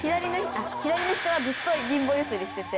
左の人はずっと貧乏揺すりしてて。